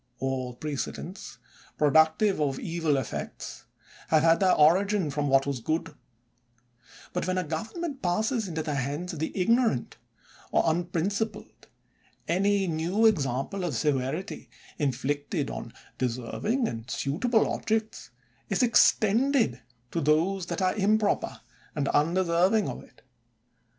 All precedents productive of evil effects have had their origin from what was good; but when a government passes into the hands of the ignorant or unprin cipled, any new example of severity, inflicted on deserving and suitable objects, is extended to those that are improper and undeserving of it.